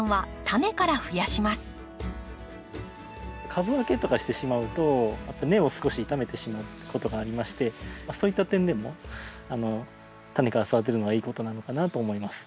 株分けとかしてしまうと根を少し傷めてしまうことがありましてそういった点でもタネから育てるのがいいことなのかなと思います。